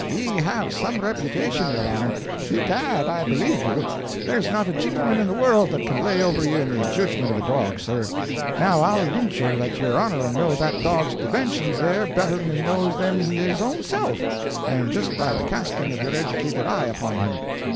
"Ye have some reputation, your honor! Bedad I believe you! There's not a jintleman in the worrld that can lay over ye in the judgmint of a dog, sir. Now I'll vinture that your honor'll know that dog's dimensions there better than he knows them his own self, and just by the casting of your educated eye upon him.